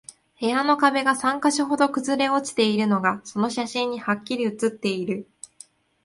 部屋の壁が三箇所ほど崩れ落ちているのが、その写真にハッキリ写っている